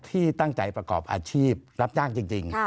ที่ตั้งใจประกอบอาชีพรับจ้างจริง